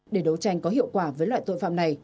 để đấu tranh có hiệu quả với loại tội phạm này